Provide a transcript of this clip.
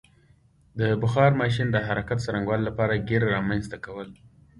د بخار ماشین د حرکت څرنګوالي لپاره ګېر رامنځته کول.